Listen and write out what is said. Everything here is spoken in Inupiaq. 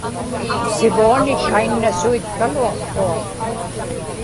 sivuani tainnasuitkaluaqtuaq